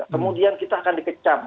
kemudian kita akan dikecam